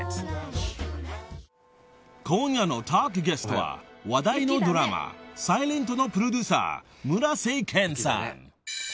［今夜のトークゲストは話題のドラマ『ｓｉｌｅｎｔ』のプロデューサー村瀬健さん］